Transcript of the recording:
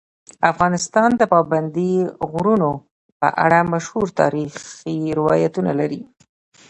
افغانستان د پابندي غرونو په اړه مشهور تاریخی روایتونه لري.